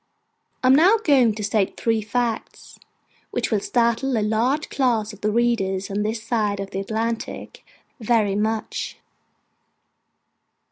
I am now going to state three facts, which will startle a large class of readers on this side of the Atlantic, very much.